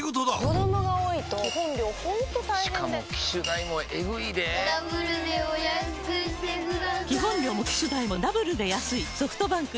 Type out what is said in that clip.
子供が多いと基本料ほんと大変でしかも機種代もエグいでぇダブルでお安くしてください